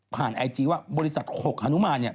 ผ่านไอจีว่าบริษัทหกฮานุมารเนี่ย